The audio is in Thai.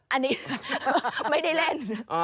อันนี้ไม่ได้เล่น